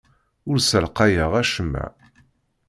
Ur ssalqayeɣ acemma.